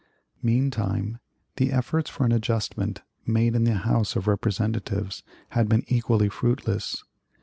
Meantime the efforts for an adjustment made in the House of Representatives had been equally fruitless.